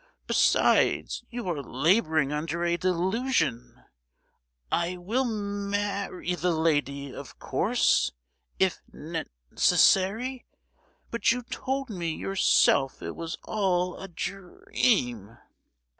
Besides, you are labouring under a delusion;—I will marr—y the lady, of course, if ne—cessary. But you told me, yourself, it was all a dre—eam!"